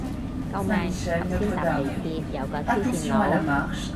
救命頭先搭地鐵有個黐線佬